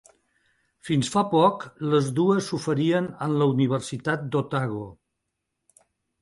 Fins fa poc, les dues s'oferien en la Universitat d'Otago.